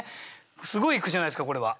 すごい句じゃないですかこれは。